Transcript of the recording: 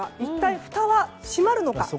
ふたは閉まるのか